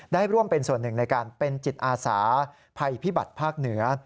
ได้ร่วมเป็นส่วนหนึ่งในการเป็นจิตอาสาภัยพิบัติภาคเหนือ